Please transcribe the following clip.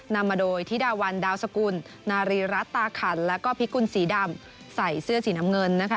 นำมาโดยธิดาวันดาวสกุลนารีรัฐตาขันแล้วก็พิกุลสีดำใส่เสื้อสีน้ำเงินนะคะ